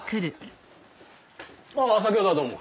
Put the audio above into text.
あ先ほどはどうも。